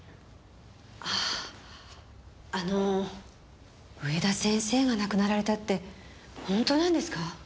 ああの上田先生が亡くなられたってホントなんですか？